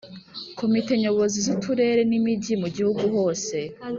Komite Nyobozi z Uturere n Imijyi mu Gihugu hose